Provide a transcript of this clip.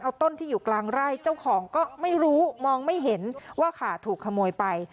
เอาต้นที่อยู่กลางไร่เจ้าของก็ไม่รู้มองไม่เห็นว่าขาถูกขโมยไป